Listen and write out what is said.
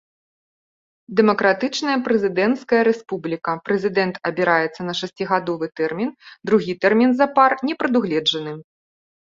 Дэмакратычная прэзідэнцкая рэспубліка, прэзідэнт абіраецца на шасцігадовы тэрмін, другі тэрмін запар не прадугледжаны.